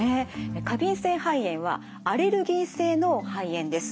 過敏性肺炎はアレルギー性の肺炎です。